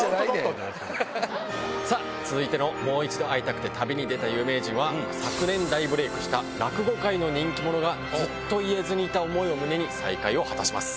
さあ、続いてのもう一度、逢いたくて旅にでた有名人は、昨年大ブレークした落語界の人気者が、ずっと言えずにいた思いを胸に、再会を果たします。